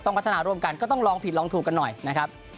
พัฒนาร่วมกันก็ต้องลองผิดลองถูกกันหน่อยนะครับ